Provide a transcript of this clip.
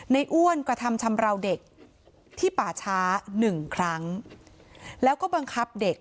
อ้วนกระทำชำราวเด็กที่ป่าช้าหนึ่งครั้งแล้วก็บังคับเด็ก